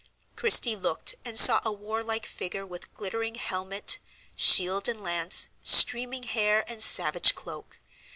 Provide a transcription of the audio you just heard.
Christie looked, and saw a warlike figure with glittering helmet, shield and lance, streaming hair and savage cloak.